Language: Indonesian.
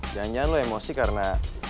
jangan jangan lo emosi karena